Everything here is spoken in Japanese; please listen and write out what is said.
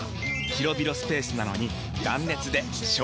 広々スペースなのに断熱で省エネ！